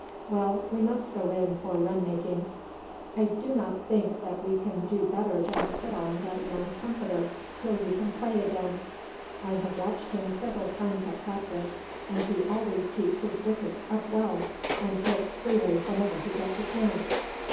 Well, we must go in for run making. "I do not think that we can do better than put on that young trumpeter till you can play again. I have watched him several times at practice, and he always keeps his wickets up well, and hits freely whenever he gets a chance."